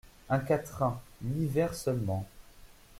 Un quatrain… huit vers seulement…